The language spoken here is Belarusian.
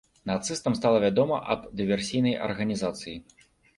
Нацыстам стала вядома аб дыверсійнай арганізацыі.